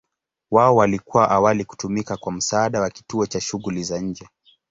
Wao walikuwa awali kutumika kwa msaada wa kituo cha shughuli za nje.